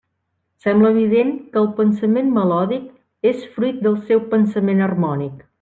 Sembla evident que el pensament melòdic és fruit del seu pensament harmònic.